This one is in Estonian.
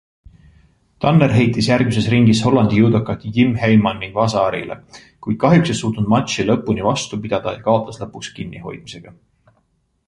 Tanner heitis järgmises ringis Hollandi judokat Jim Heijmani waza-arile, kuid kahjuks ei suutnud matši lõpuni vastu pidada ja kaotas lõpuks kinnihoidmisega.